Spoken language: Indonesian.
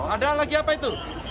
ada lagi apa itu